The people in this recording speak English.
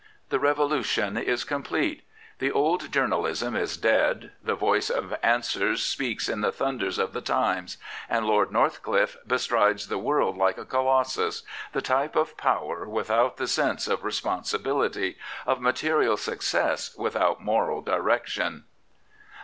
The revolution is complete. The old journalism is dead, the voice of Answers speaks in the thunders of the Times, and L^d Northcliffe "begfrides th^ world like a Colossus/ The type of power without the ^6 Lord NorthcIifFe sense of r^ponsibility — of material success without moral direction.